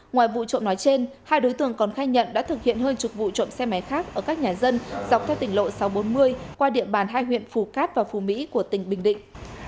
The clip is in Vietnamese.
ngoài vụ trộm nói trên hai đối tượng còn khai nhận đã thực hiện hơn chục vụ trộm xe máy khác ở các nhà dân dọc theo tỉnh lộ sáu trăm bốn mươi qua địa bàn hai huyện phù cát và phù mỹ của tỉnh bình định